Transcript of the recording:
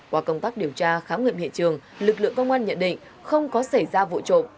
qua công tác điều tra khám nghiệm hiện trường lực lượng công an nhận định không có xảy ra vụ trộm